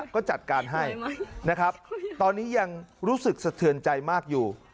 ก็จัดการให้นะครับตอนนี้ยังรู้สึกสะเทือนใจมากอยู่